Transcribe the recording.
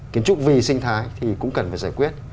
kiến trúc vì sinh thái thì cũng cần phải giải quyết